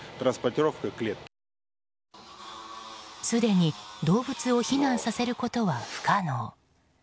すでに動物を避難させることは不可能。